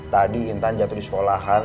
tadi intan jatuh di sekolahan